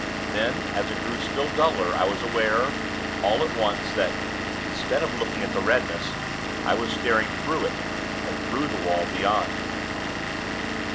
Then, as it grew still duller, I was aware, all at once, that, instead of looking at the redness, I was staring through it, and through the wall beyond.